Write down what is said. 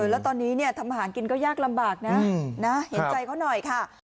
แล้วตอนนี้ทำอาหารกินก็ยากลำบากนะเห็นใจเขาหน่อยค่ะ